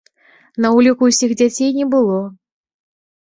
На ўліку ўсіх дзяцей не было.